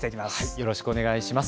よろしくお願いします。